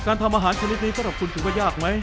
ทำอาหารชนิดนี้สำหรับคุณถือว่ายากไหม